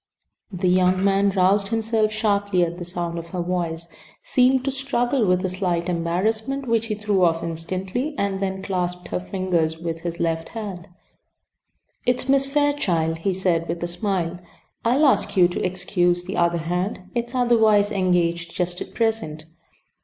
The younger man roused himself sharply at the sound of her voice, seemed to struggle with a slight embarrassment which he threw off instantly, and then clasped her fingers with his left hand. "It's Miss Fairchild," he said, with a smile. "I'll ask you to excuse the other hand; "it's otherwise engaged just at present."